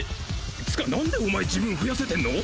つか何でおまえ自分増やせてんの！？